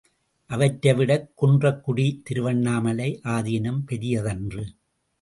அவற்றைவிடக் குன்றக்குடித் திருவண்ணாமலை ஆதீனம் பெரியதன்று.